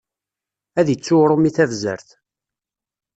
Ad ittu uṛumi tabzert.